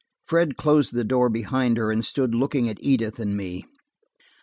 Fred closed the door behind her and stood looking at Edith and me.